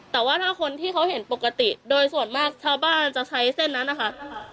แต่ว่าถ้าคนที่เขาเห็นปกติโดยส่วนมากชาวบ้านจะใช้เส้นนั้นนะคะ